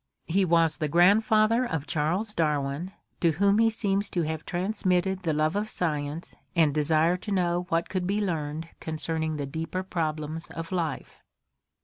He was the grandfather of Charles Darwin, to whom he seems to have transmitted the love of science and desire to know what could be learned concerning the deeper problems of life.